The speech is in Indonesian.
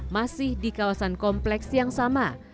masih di kawasan kompleks yang sama